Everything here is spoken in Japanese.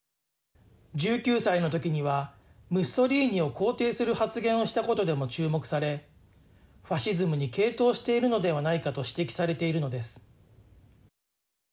１９歳の時にはムッソリーニを肯定する発言をしたことでも注目されファシズムに傾倒しているのではないかと指摘されているのです。